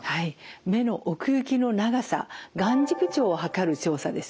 目の奥行きの長さ眼軸長を測る調査です。